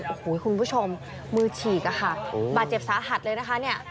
โอ้โหคุณผู้ชมมือฉีกอะค่ะบาดเจ็บสาหัสเลยนะคะเนี่ย